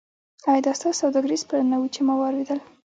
ایا دا ستاسو سوداګریز پلانونه وو چې ما اوریدل